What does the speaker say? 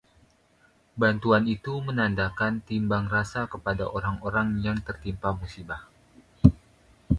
bantuan itu menandakan timbang rasa kepada orang-orang yang tertimpa musibah